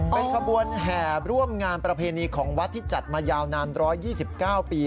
เป็นขบวนแห่ร่วมงานประเพณีของวัดที่จัดมายาวนาน๑๒๙ปี